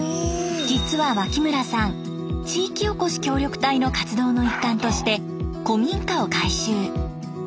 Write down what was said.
実は脇村さん地域おこし協力隊の活動の一環として古民家を改修。